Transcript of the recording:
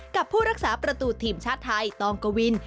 กับผู้รักษาประตูทีมชาติไทยตองกวิน